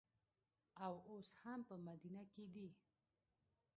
او اوس هم په مدینه کې دي.